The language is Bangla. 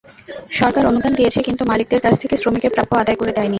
সরকার অনুদান দিয়েছে, কিন্তু মালিকদের কাছ থেকে শ্রমিকের প্রাপ্য আদায় করে দেয়নি।